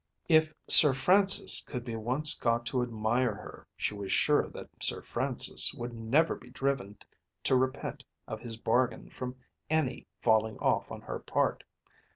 If Sir Francis could be once got to admire her, she was sure that Sir Francis would never be driven to repent of his bargain from any falling off on her part.